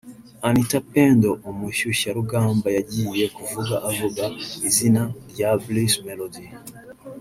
Anitha Pendo umushyushyarugamba yagiye kuvuga avuga izina rya Bruce Melodie